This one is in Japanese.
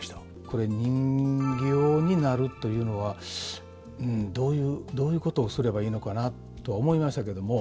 これ人形になるというのはどういうことをすればいいのかなと思いましたけども。